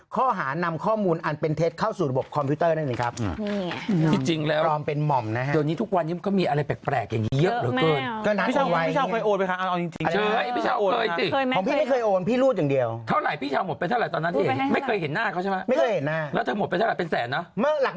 ข้อหานำข้อมูลอันเป็นเท็จเข้าสู่ระบบคอมพิวเตอร์ได้ไหมครับ